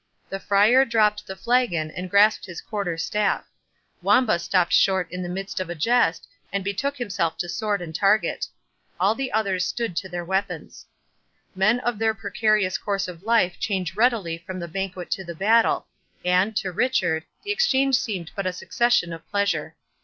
The Friar dropped the flagon, and grasped his quarter staff. Wamba stopt short in the midst of a jest, and betook himself to sword and target. All the others stood to their weapons. Men of their precarious course of life change readily from the banquet to the battle; and, to Richard, the exchange seemed but a succession of pleasure.